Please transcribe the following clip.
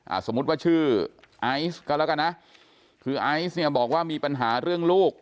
สมมุติว่าชื่อไอซ์ก็แล้วกันนะคือไอซ์เนี่ยบอกว่ามีปัญหาเรื่องลูก